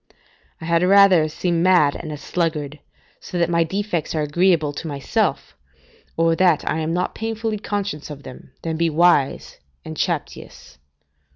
["I had rather seem mad and a sluggard, so that my defects are agreeable to myself, or that I am not painfully conscious of them, than be wise, and chaptious."